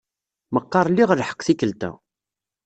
Meqqar liɣ lḥeqq tikkelt-a.